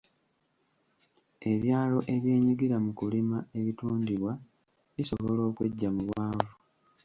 Ebyalo ebyenyigira mu kulima ebitundibwa bisobola okweggya mu bwavu.